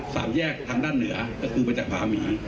สามแยกทางด้านเหนือก็คือมาจากพาหมี